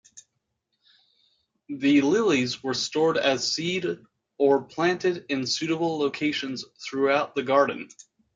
The lilies were stored as seed or planted in suitable locations throughout the garden.